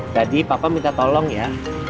jadi papa minta tolong ya